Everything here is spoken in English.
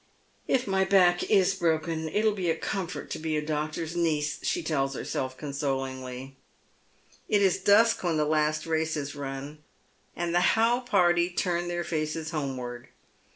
" If my back is broken, it'll be a comfort to be a doctor'* niece," she tells herself consolingly. It is dusk when the last race is run, and the How party turn their faces homeward.